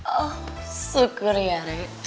oh syukur ya rey